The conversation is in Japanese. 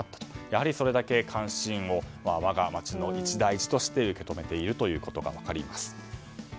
やはりそれだけ関心を我が町の一大事として受け止めているということが分かります。